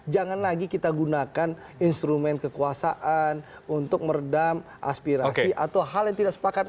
jangan lagi kita gunakan instrumen kekuasaan untuk meredam aspirasi atau hal yang tidak sepakat